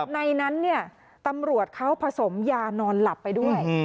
ในนั้นตำรวจเขาผสมยานอนหลับไปด้วย